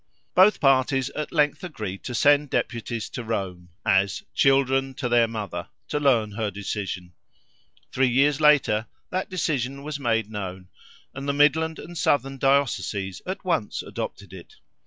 Both parties at length agreed to send deputies to Rome, as "children to their mother," to learn her decision. Three years later, that decision was made known, and the midland and southern dioceses at once adopted it.